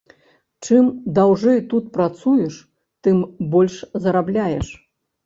Чым даўжэй тут працуеш, тым больш зарабляеш.